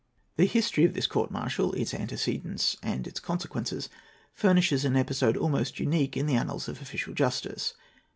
The history of this court martial, its antecedents and its consequences, furnishes an episode almost unique in the annals of official injustice.